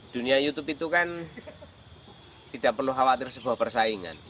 dunia youtube itu kan tidak perlu khawatir sebuah persaingan